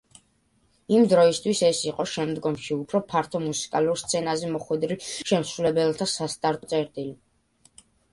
იმ დროისთვის ეს იყო შემდგომში უფრო ფართო მუსიკალურ სცენაზე მოხვედრილ შემსრულებელთა სასტარტო წერტილი.